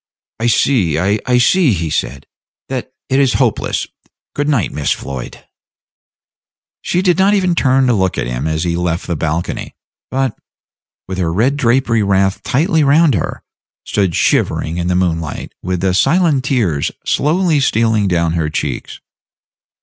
"I see I see," he said, "that it is hopeless. Good night, Miss Floyd." She did not even turn to look at him as he left the balcony; but, with her red drapery wrapped tightly round her, stood shivering in the moonlight, with the silent tears slowly stealing down her cheeks.